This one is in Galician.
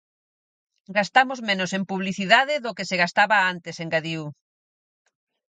"Gastamos menos en publicidade do que se gastaba antes", engadiu.